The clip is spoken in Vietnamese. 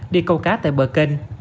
đi câu cá tại bờ kênh